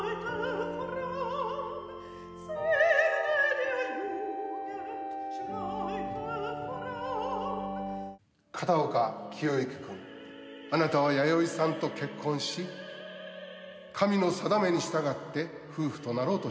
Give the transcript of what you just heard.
『結婚行進曲』片岡清之君あなたは弥生さんと結婚し神の定めに従って夫婦となろうとしています。